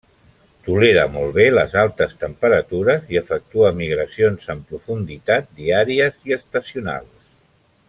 Tolera molt bé les altes temperatures i efectua migracions en profunditat diàries i estacionals.